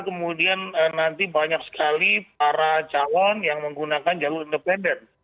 kemudian nanti banyak sekali para calon yang menggunakan jalur independen